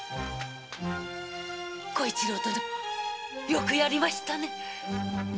小一郎殿よくやりましたね。